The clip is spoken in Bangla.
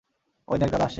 ওই দেখ, দাদা আসছে।